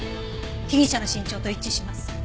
被疑者の身長と一致します。